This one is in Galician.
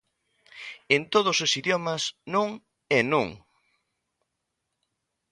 En todos os idiomas non é non.